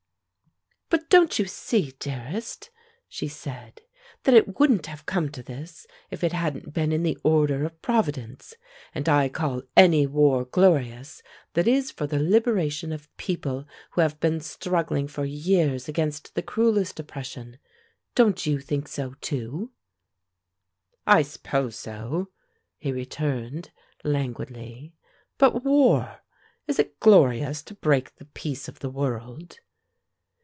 "But don't you see, dearest," she said, "that it wouldn't have come to this, if it hadn't been in the order of Providence? And I call any war glorious that is for the liberation of people who have been struggling for years against the cruelest oppression. Don't you think so too?" "I suppose so," he returned, languidly. "But war! Is it glorious to break the peace of the world?"